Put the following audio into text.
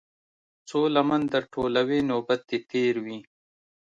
څــــو لمـــن در ټولـــوې نوبت دې تېر وي.